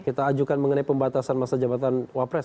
kita ajukan mengenai pembatasan masa jabatan wapres